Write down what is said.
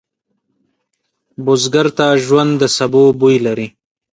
بزګر ته ژوند د سبو بوی لري